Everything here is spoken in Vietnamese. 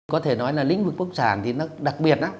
có thể nói là lĩnh vực bất động sản thì nó đặc biệt lắm